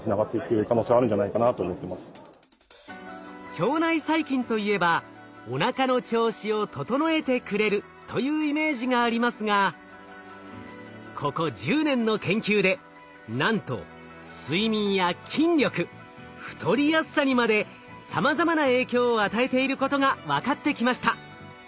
腸内細菌といえばおなかの調子を整えてくれるというイメージがありますがここ１０年の研究でなんと睡眠や筋力太りやすさにまでさまざまな影響を与えていることが分かってきました。